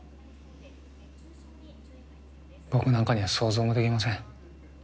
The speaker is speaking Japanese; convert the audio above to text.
僕なんかには想像もできません。